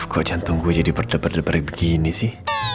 kok jantung gue jadi berdebar debar begini sih